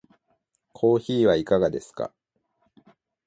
コーヒーはいかがですか？